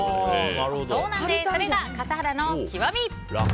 それが笠原の極み！